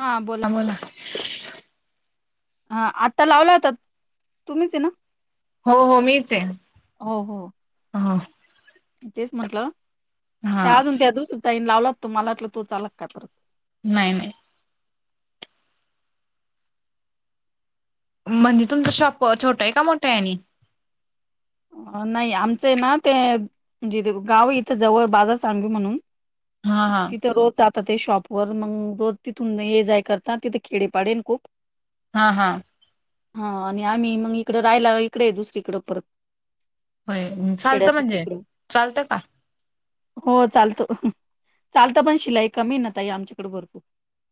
हा बोला. हा बोला. हा आता लावला होता तुम्हीच ना. हो हो मीच आहे. हो हो. तेच म्हंटलं हा त्या अजून त्या दुसर ताईन लावला होता मला वाटलं तोच आला की काय परत, नाही नाही. म्हणजे तुमचा शॉप छोटा आहे का मोठा आहे? नाही आमच ना ते म्हणजे गाव इथं जवळ बाजारसांगवी म्हणून- हा हा तिथं रोज जातात ते शॉप वर मग रोज तिथून ये जाय करतात तिथे खेडे पाडे आहे ना खूप. हा हा हा आणि आम्ही मग इकडं राहिला इकडे आहे दुसरीकडे परत. होय चालतं खेड्यातच म्हणजे इकडे चालतं का? हो चालतो. चालत पण शिलाई कमी ना ताई आमच्याकडे भरपूर-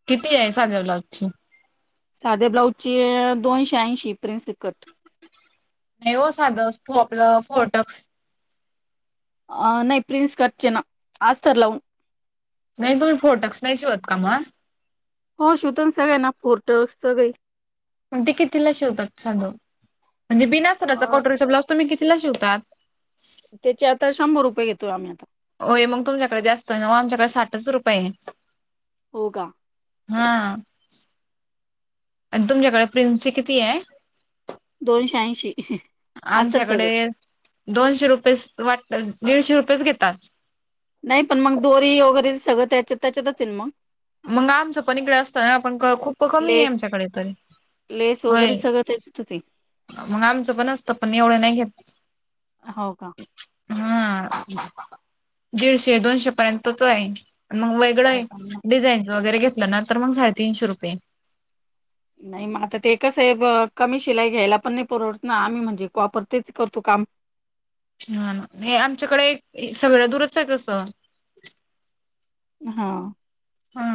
किती आहे साध्या ब्लाऊज ची. साधे ब्लाउज चे दोनशे ऐंशी प्रिंस कट. नाही हो साधं अस तो आपलं फोटक्स- अनं नाही प्रिन्स कटच ना आस्तर लाऊन. नाही तुम्ही फोरटक्स नाही शीवत का मग. हो शीवतोना फोरटक्स सगळे मग ते कितीला शिवतात सांगा, म्हणजे बिनाअस्तराचा अ कटोरी चा ब्लाऊज कितीला शिवतात. त्याचे आता शंभर रुपये घेतोय आम्ही, आता- होय मग तुमच्याकडे जास्त ना मग आमच्याकडे साठच रुपयेन. हो का? हा तुमच्याकडे प्रिन्सचे किती आहे? दोनशे ऐंशी. असत आमच्याकडे सगळं दोनशे रुपये वाटत दीडशे रुपयेच घेतात. नाही पण मग दोरी वगैरे सगळं त्याच्यात त्याच्यातच आहे मग मग आमचं पण इकडे असत ना आपण खूप कमी आहे लेस आमच्याकडे तरी लेस वगैरे होय सगळं त्याचतच. मग आमचं पण असत पण एवढं नाही घेत. हो का हा दीडशे दोनशे पर्यंतच आहे मग वेगळं हो आहे. का नाही डिझानंच वगैरे घलं तर मग साडेतीनशे रुपये नाही मग आता कस ते एकच आहे कमी शिलाई घ्यायला पण नाही परवडत ना आम्ही म्हणजे वापरतेच करतो काम ह हे आमच्याकडे सगळं दूरच आहे कसं हा हा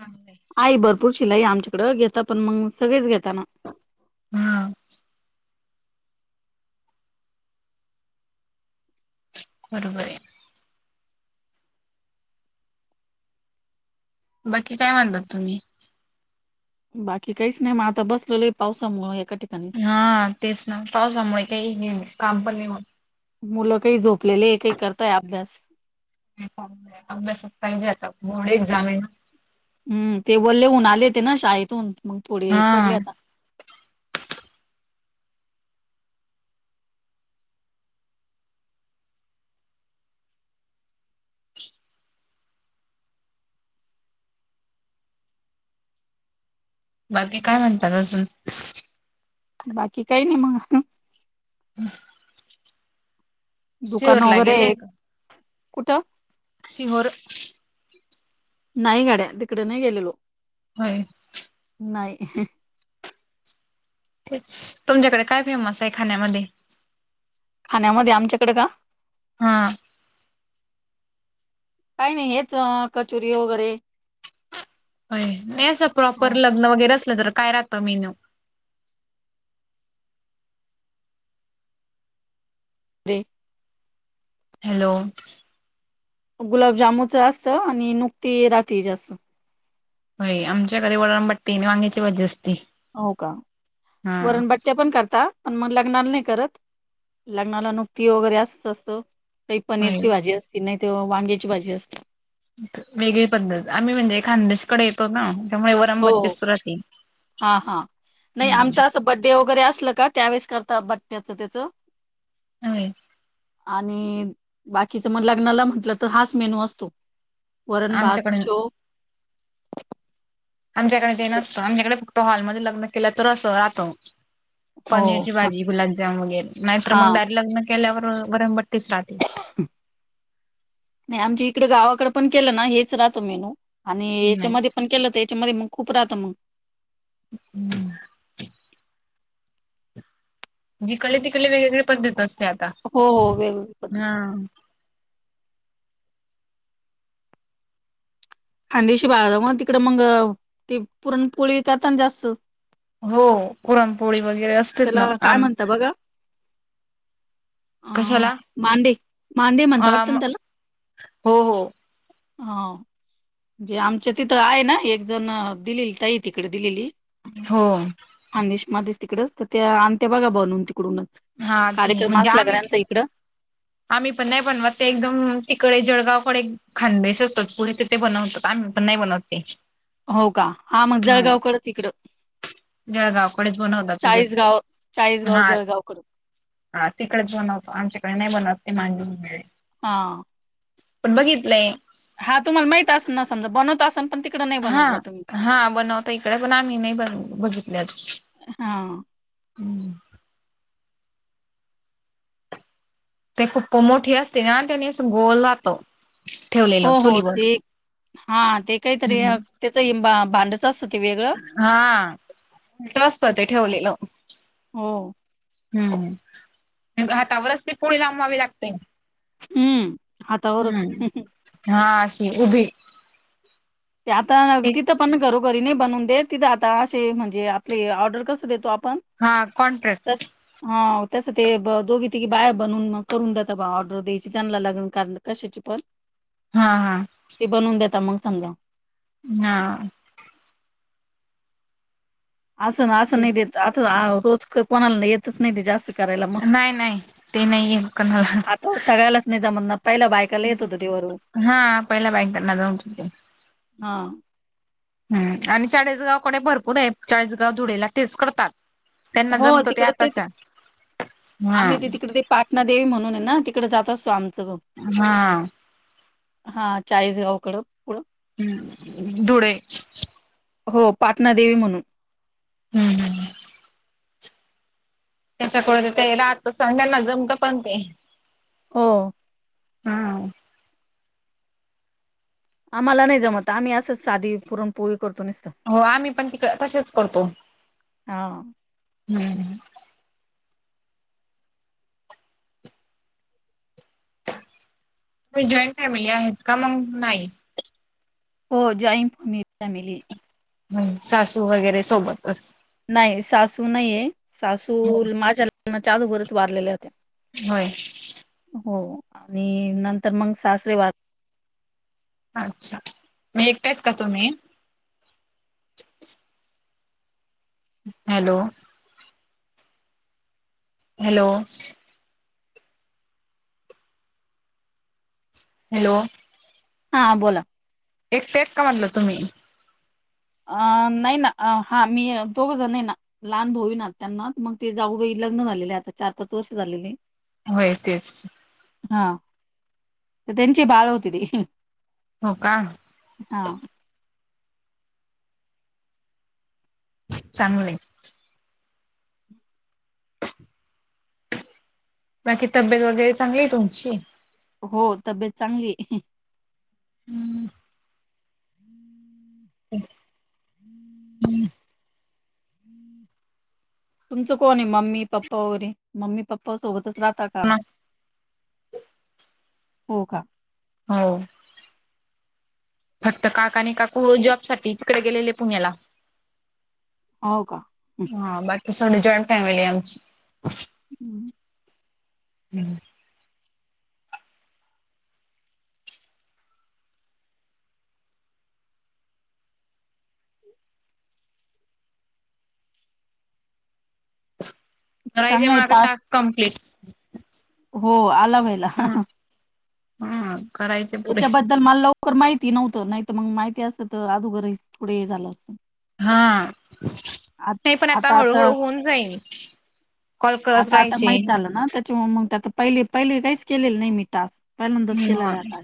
हां आई भरपूर शिलाई आमच्याकडं घेता पण मग सगळेच घेताना हा बरोबर आहे. बाकी काय मानता तुम्ही? बाकी काहीच नाही मग आता बसलेलं आहे पावसामुळ एका ठिकाणीच हा तेच ना पावसामुळे काही काम पण नाही होत मुलं काही झोपलेले आहे काही करताय अभ्यास अभ्यासच पाहिजे आता बोर्ड एक्झाम आहे ना हम् ते बोलले उन्ह आले ते ना शाळेतून मग थोडे पडले हा आता बाकी काय म्हणता अजून. बाकी काही नाही मग हमं दुकानं वगैरे का कुठं? सिहोर नाही घड्या तिकडे नाही गेलेलो होय नाही. तेच तुमच्याकडे काय फेमस आहे खाण्यामध्ये खाण्यामध्ये आमच्याकडे का? हां काही नाही हेच कचोरी वगैरे अ असं हो प्रॉपर लग्न वगैरे असलं काय राहतं मेन्यू? अ हॅलो. गुलाबजामूनच असत आणि नुकती रात्री जास्त. हो आमच्याकडे वरण बाट्टी आणि वांग्याची भाजी असती. हो का? वरणबट्टया पण करता. पण मग लग्नाला नाही करत लग्नाला नुकती वगैरे असंच असतं. एक होय पनीरची भाजी असती नाही तेव्हा वांग्याची भाजी असते. वेगळी पद्धत, आम्ही म्हणजे खांदेशकडे येतो त्यामुळे हो वरणबाट्टी राहती. हा हा नाही आमच असं बड्डे वगैरे असलं का त्यावेेळेस करता बड्याच त्याचं. होय. आणि बाकीच मग लग्नाला म्हटलं तर हाच मेनू असतो. वरण-भात आमच्याकडे शेव. आमच्याकडे ते नसतं आमच्याकडे फक्त हॉलमध्ये लग्न केलं तर अस राहतं. हो पनीरची भाजी, गुलाबजाम वगैरे नाहीतर हा मग दारी लग्न केल्यावर वरण बट्टीचं राहते. नाही आमच्याइकडे गावाकडं पण केलं ना हेच राहतो मेनू. आणि नाही याच्यामध्ये पण केलं तर याच्यामध्ये मग खूप राहतं मग हम्म जिकडले तिकडले वेगवेगळे पद्धत असते आता. हो हो वेगवेगळे पद्धती हा खांदेशी भाग हा तिकड मंग ते पुरण पोळी करताना जास्त. हो पुरणपोळी वगैरे असतंच ना त्याला काय आम म्हणता बघा अ कशाला मांडे मांडे आ म्हणता वाटतं ना म त्याला हो हो हा. जे आमच्या तिथं हाय ना एक जण दिलेली ताई तिकडं दिलेली हो खानदेशमध्येचं तिकडच तर त्या आणते बघा बनून तिकडूनच हा ती कार्यक्रम म्हणजे असला का आम्ही त्यांचा इकडं. आम्ही पण नाही बनवत ते एकदम तिकडे जळगावकडे खानदेश असतं पुढे ते बनवतात आम्ही पण नाही बनवत ते हो का हा मग जळगावकडच इकडं जळगावकडेच बनवता ते जास्त चाळीसगाव चाळीसगाव हा जळगावकड हा तिकडच बनवतो आमच्याकडे नाही बनत ते मांजून मिळे. हा पण बघितले. हा तुम्हाला माहित असन नसण बनवत असणं पण ते हा हा बनवता इकडे पण आम्ही नाही बन बघितले अजून हा हम्म. ते खूप पण मोठी असते ना आणि त्यानी अस गोल राहतो. ठेवलेलं हो हो चुलीवर ते हा ते काहीतरी हम्म त्याच भांडच असतं ते वेगळं हा उलटं असतं ते ठेवलेलं. हो हम्म हातावरच ती पोळी लांबवावी लागते. हम्म हातावरच हम्म हा अशी उभी. ते आता एक तिथं पण घरोघरी नाही बनून देत तिथं आता असे म्हणजे आपले ऑर्डर कसं देतो आपण हा कॉन्ट्रॅक्ट [inaudible] हा तसं ते ब दोघी तिघी बाया बनून मग करून देतं बा ऑर्डर द्यायची त्यांना लग्न कार कशाची पण हा हा ते बनवून देता मग समद्या. हा असं ना असं नाही तेच देत आता रोज कोणाला येतच नाही ते जास्त करायला मग. नाही नाही ते नाहीये कोणाला आता सगळयालाच नाही जमत पहिला बायकाला येत होत तेवर. हा पहिल्या बायकांना जमत होते. हां. हम्. आणि चाळीसगाव कोणी भरपूर आहे चाळीसगाव धुळेला तेच करतात. त्यांना हो जमतो ते तिकडं तेच आताच्या. हा. आम्ही ते तिकडे ते पाटणा देेवी म्हणून हायना तिकडे जात असतो आमचं घो हा‌. हा चाळीसगावकडं पुढं हम्. धुळे. हो. पाटणा देवी म्हणून. हम् हम्. त्याच्याकडे ते राहतं सांगाल ना जमतं पण ते. हो. हा हा. आम्हाला नाही जमत आम्ही असंच साधी पुरण पोळी करतो निसतं. हो आम्ही पण तिकडं तसेच करतो. हा हम्म. जॉईंट फॅमिली आहेत का? मग नाही. हो‌. जॉईंन फ म फॅमिली. सासू वगैरे सोबत अस नाही. सासू नाहीये सासू हो माझ्या लग्नाच्या अगोदरच वारलेल्या होत्या. होय. हो. आणि नंतर मग सासरे वा अच्छा! म एकट्यात आहात का तुम्ही? हॅलो. हॅलो. हॅलो. हां बोला. एकटेत का म्हणलं तुम्ही? अ नाही ना हा मी दोघंजण नाही ना. लहान भाऊना त्यांना मग ते जाऊबाई लग्न झालेले आता चार-पाच वर्ष झालेले. होय तेच. हा. त्यांची बाळ होती ती. हो का? हा. चांगलय‌. बाकी तब्येत वगैरे चांगली आहे तुमची. हो. तब्येत चांगली आहे. हममम. [unintelligible] तुमचं कोण आहे? मम्मी पप्पा वगैरे मम्मी पप्पा सोबतच राहता का? हो का. हो. फक्त काका आणि काकू जॉब साठी तिकडे गेलेले पुण्याला. हो का. हं, हा बाकी सगंळी जॉईंट फॅमिली आहे आमची. हम्म, हम्, राहिजे चांगला आहे माझं तास टास्क कंप्लीट हो आला पाहिला, हम्म हम्म करायचे पुरे येच्या बद् बद्दल मला लवकर माहिती नव्हतं, नाही तर मगं माहिती असत तर अदोगर थोडे हे झालं असतं. हा, नाही पण आता हळू-हळू होऊन जाईन. आता -आता माहीत झालं ना, त्याच्या मगं आता पहिले- पहिले काहीचं केलेलं नाही मी टास्क. पहिल्यादाचं ह केलेलाय आता.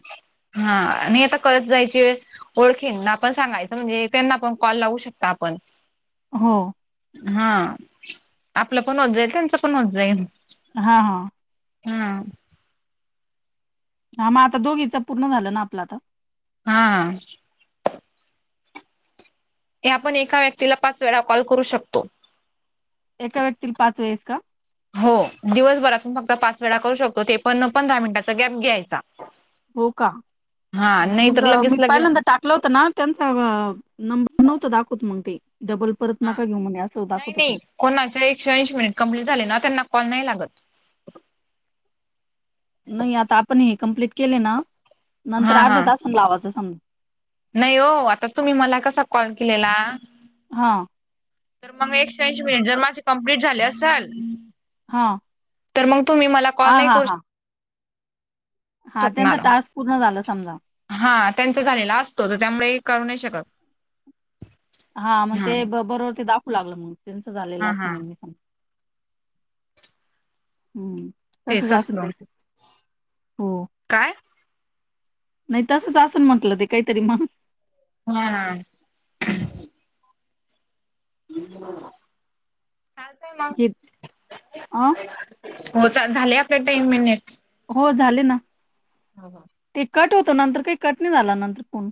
हा आणि आता कळत जायची वेळ ओळखींना पण सांगायचं म्हणजे त्यांना पण कॉल लावू शकता आपण, हो, हा, आपलं पण होतं जाईल, त्यांचं पण होतं जाईल. हा, हं, हा म आता दोघीचं पूर्ण झालं ना, आपला आता? हा, हे आपण एका व्यक्तीला पाच वेळा कॉल करू शकतो. एका व्यक्तीला पाच वेळेस का? हो दिवसभरातून फक्त पाच वेळा करू शकतो, ते पण पंधरा मिनिटाचा गॅप घ्यायचा. हो का? हा नाही मंग तर लगेच मी लगे पहिल्यांद टाक टाकलं होत ना, त्यांचा अं नंबर नव्हतं दाखवत मग ते डबल परत हा नका घेऊ म्हणे असं नाही- दाखवत नाही होतं कोणाचे एकशे ऐंशी मिनिट कंम्प्लीट झाले ना त्यांना कॉल नाही लागत. नाही आता आपण हे कंमप्लीट केले ना, नंतर हा अर्धा हा तासनं लावाचं सम नाही ओ, आता तुम्ही मला कसा कॉल केलेला. हां, तर मग एकशे ऐंशी मिनिटं जर माझे कंप्लीट झाले असेल हां, तर मगं तुम्ही मला हा, कॉल नाही हा, करू हां. हा त्यांच शकणार टास्क पूर्ण झाला समजा. हा त्यांचा झालेला असतो, तर त्यामुळे करू नाही शकत. हा मग ते बरोबर ते दाखवू लागलं मंग त्यांच झालेलं हा असंल हा नेहमीचं. हम्, तसंच तेच असेल असतो काही तरी, हो. काय नाही तसंच असंन म्हंटलं ते काहीतरी मगं. हा ना, चालतयं मंग हे अ हो चालं, झाले आपले टेन मिनिट्स. हो झाले ना. हो-हो. ते कट होतं, नंतर काही कट नाही झाला नंतर फोन.